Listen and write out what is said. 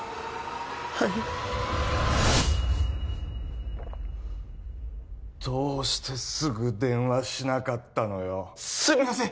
はいどうしてすぐ電話しなかったのよすみません